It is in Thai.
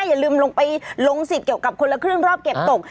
อย่าลืมลงไปลงสิทธิ์เกี่ยวกับคนละครึ่งรอบเก็บตก